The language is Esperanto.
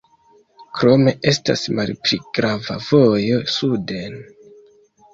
Krome estas malpli grava vojo suden.